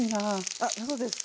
あっそうですか。